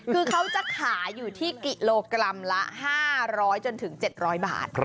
คือเขาจะขายอยู่ที่กิโลกรัมละ๕๐๐จนถึง๗๐๐บาท